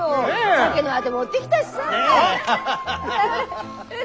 酒のあて持ってきたしさ。